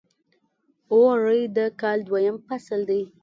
اوړی د کال دویم فصل دی .